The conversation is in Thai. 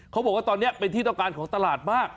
เขาบอกว่าตอนนี้เป็นที่ต้องการของตลาดมาก